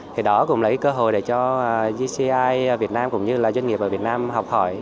thì đó cũng là cơ hội để cho gci việt nam cũng như là doanh nghiệp ở việt nam học hỏi